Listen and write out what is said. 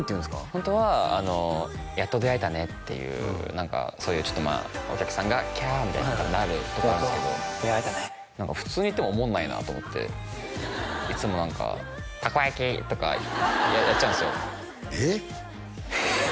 ホントは「やっと出会えたね」っていう何かそういうちょっとまあお客さんが「キャー」みたいになるところなんですけど普通に言ってもおもんないなと思っていつも何か「たこ焼き」とかやっちゃうんですよえっ？